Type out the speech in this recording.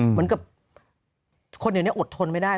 เหมือนกับคนเดี๋ยวนี้อดทนไม่ได้